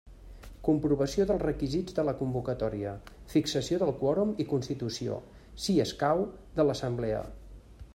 Comprovació dels requisits de la convocatòria, fixació del quòrum i constitució, si escau, de l'assemblea.